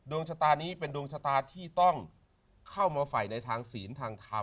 ชะตานี้เป็นดวงชะตาที่ต้องเข้ามาใส่ในทางศีลทางธรรม